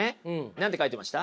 何て書いてました？